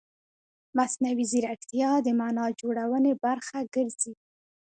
مصنوعي ځیرکتیا د معنا جوړونې برخه ګرځي.